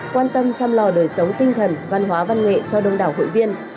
quan tâm chăm lo đời sống tinh thần văn hóa văn nghệ cho đông đảo hội viên